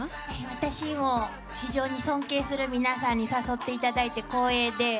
私も非常に尊敬する皆さんに誘っていただいて光栄で。